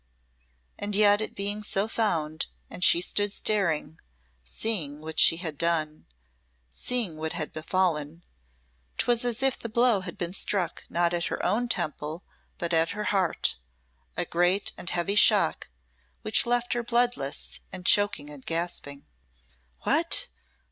And yet it being so found, and she stood staring, seeing what she had done seeing what had befallen 'twas as if the blow had been struck not at her own temple but at her heart a great and heavy shock, which left her bloodless, and choked, and gasping. "What!